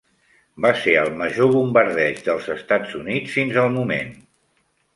Va ser el major bombardeig dels Estats Units fins al moment.